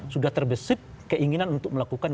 sudah terbesip keinginan untuk melakukan